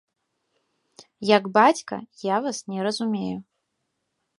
Як бацька, я вас не разумею.